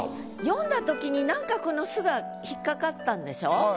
読んだときになんかこの「す」が引っ掛かったんでしょ？